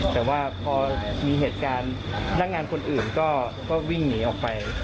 แต่ว่าพอมีเหตุการณ์นักงานคนอื่นก็วิ่งหนีออกไป